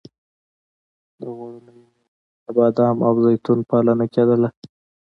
د غوړینو میوو لکه بادام او زیتون پالنه کیدله.